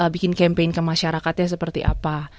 bikin campaign ke masyarakatnya seperti apa